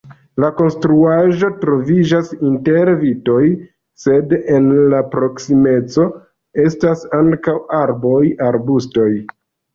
La konstruaĵo troviĝas inter vitoj, sed en la proksimeco estas ankaŭ arboj, arbustoj.